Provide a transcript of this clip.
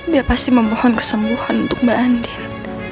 dia pasti memohon kesembuhan untuk mbak andi